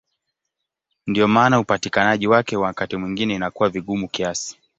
Ndiyo maana upatikanaji wake wakati mwingine inakuwa vigumu kiasi.